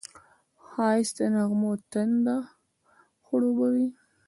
ښایست د نغمو تنده خړوبوي